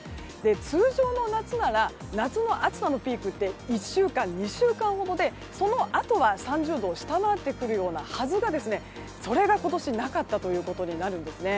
通常の夏ならば夏の暑さのピークは１週間、２週間ほどでそのあとは３０度を下回ってくるようなはずがそれが今年なかったということになります。